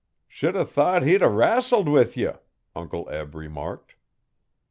'Should 'a thought he'd 'a rassled with ye,' Uncle Eb remarked.